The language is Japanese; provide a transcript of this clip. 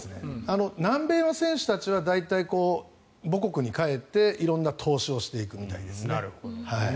南米の選手たちは母国に帰って投資をしていくみたいですね。